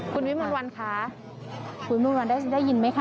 คุณวิมวรวรรณค่ะคุณวิมวรรณได้ยินไหมคะ